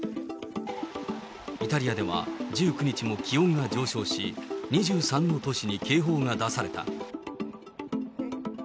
イタリアでは１９日も気温が上昇し、２３の都市に警報が出された。